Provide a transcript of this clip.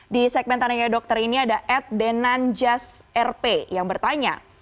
di segmen tandanya dokter ini ada ed denanjas rp yang bertanya